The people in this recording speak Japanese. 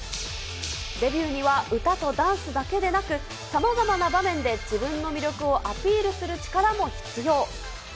デビューには歌とダンスだけでなく、さまざまな場面で自分の魅力をアピールする力も必要。